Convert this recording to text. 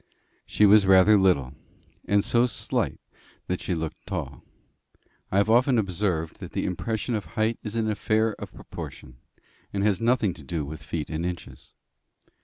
She was rather little, and so slight that she looked tall. I have often observed that the impression of height is an affair of proportion, and has nothing to do with feet and inches.